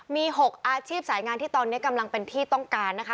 มี๖อาชีพสายงานที่ตอนนี้กำลังเป็นที่ต้องการนะคะ